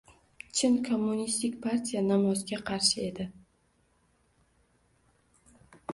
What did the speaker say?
Chin, kommunistik partiya namozga qarshi edi.